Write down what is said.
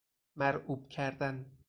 مرعوب کردن